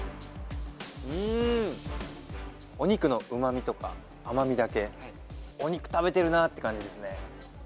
うーん、お肉のうまみとか甘みだけ、お肉食べてるなという感じですね。